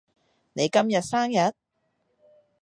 你今日生日？